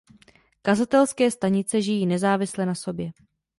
Kazatelské stanice žijí nezávisle na sobě.